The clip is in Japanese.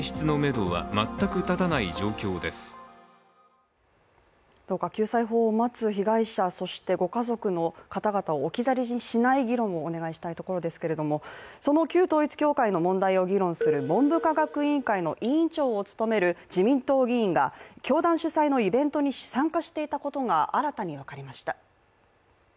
どうか救済法を待つ被害者、そしてご家族の方々を置き去りにしない議論をお願いしたいところですけれども、その旧統一教会の問題を議論する文部科学委員会の委員長を務める自民党議員が教団主催のイベントに参加していたことが新たに分かりました。